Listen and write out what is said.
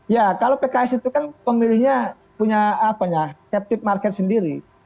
ya kalau pks itu kan pemilihnya punya captive market sendiri